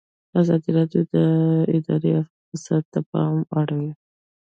ازادي راډیو د اداري فساد ته پام اړولی.